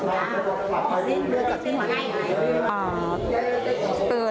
เรือก็จัดที่ไหน